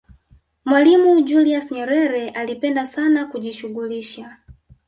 mwalimu julius nyerere alipenda sana kujishughulisha